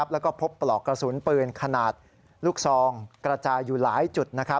แล้วก็พบปลอกกระสุนปืนขนาดลูกซองกระจายอยู่หลายจุด